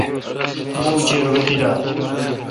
بوُچیر وے°تیلال۔